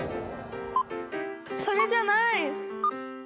それじゃない！